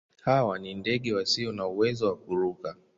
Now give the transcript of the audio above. Hawa ni ndege wasio na uwezo wa kuruka.